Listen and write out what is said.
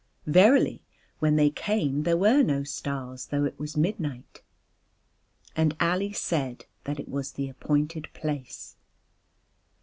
Verily when they came there were no stars, though it was midnight. And Ali said that it was the appointed place.